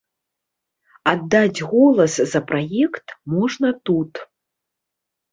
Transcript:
Аддаць голас за праект можна тут.